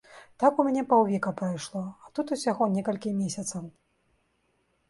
Там у мяне паўвека прайшло, а тут усяго некалькі месяцаў.